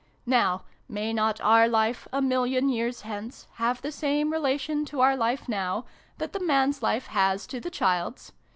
Now, may not our life, a million years hence, have the same rela tion, to our life now, that the man's life has to the child's